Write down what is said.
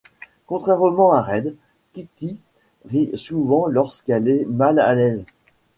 Contrairement à Red, Kitty rit souvent lorsqu'elle est mal à l'aise.